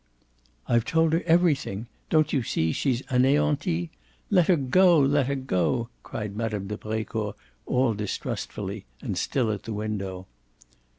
"I've told her everything don't you see she's aneantie? Let her go, let her go!" cried Mme. de Brecourt all distrustfully and still at the window.